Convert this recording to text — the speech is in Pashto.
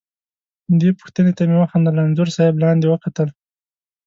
دې پوښتنې ته مې وخندل، انځور صاحب لاندې وکتل.